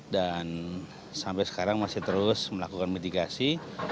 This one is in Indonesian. dan sampai sekarang masih terus melakukan mitigasi